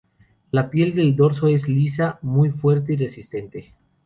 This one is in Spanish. La piel del dorso es lisa, muy fuerte y resistente.